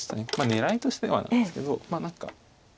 狙いとしてはなんですけど何か。